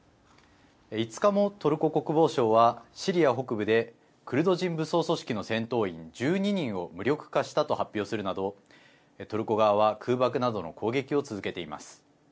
５日もトルコ国防省はシリア北部でクルド人武装組織の戦闘員１２人を無力化したと発表するなどトルコ側は空爆などの攻撃を続けています。